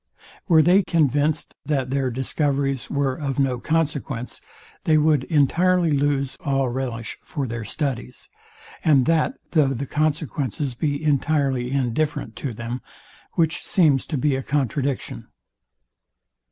Were they convinced, that their discoveries were of no consequence, they would entirely lose all relish for their studies, and that though the consequences be entirely indifferent to them; which seems to be a contradiction.